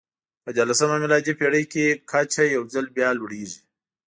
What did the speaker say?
په دیارلسمه میلادي پېړۍ کې کچه یو ځل بیا لوړېږي.